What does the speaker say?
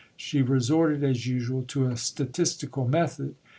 She resorted, as usual, to a statistical method.